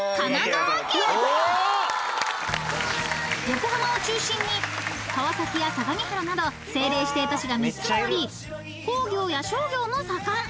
［横浜を中心に川崎や相模原など政令指定都市が３つもあり工業や商業も盛ん］